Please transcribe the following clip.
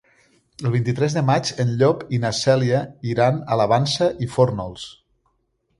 El vint-i-tres de maig en Llop i na Cèlia iran a la Vansa i Fórnols.